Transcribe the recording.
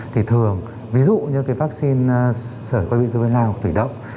thì thường ví dụ như cái vaccine sởi coi bị dư viên lao thủy động